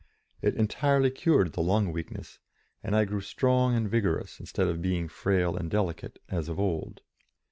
It entirely cured the lung weakness, and I grew strong and vigorous instead of being frail and delicate, as of old.